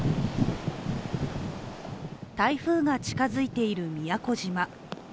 台風が近づいている宮古島。